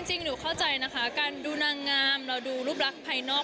จริงหนูเข้าใจนะคะการดูนางงามเราดูรูปรักภายนอก